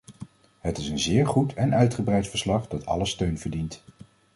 Het is een zeer goed en uitgebreid verslag dat alle steun verdient.